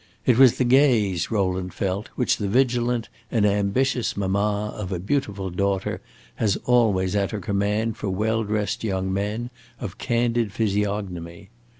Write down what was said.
It was the gaze, Rowland felt, which the vigilant and ambitious mamma of a beautiful daughter has always at her command for well dressed young men of candid physiognomy.